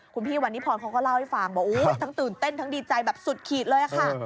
คุณพี่วันนี้พรเขาก็เล่าให้ฟังบอกทั้งตื่นเต้นทั้งดีใจแบบสุดขีดเลยค่ะ